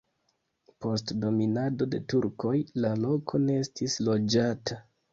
Post dominado de turkoj la loko ne estis loĝata.